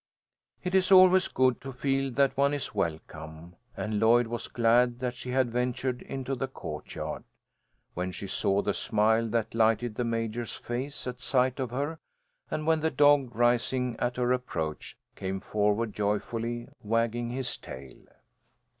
It is always good to feel that one is welcome, and Lloyd was glad that she had ventured into the courtyard, when she saw the smile that lighted the Major's face at sight of her, and when the dog, rising at her approach, came forward joyfully wagging his tail.